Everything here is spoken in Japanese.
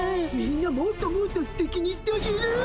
みんなもっともっとすてきにしてあげる！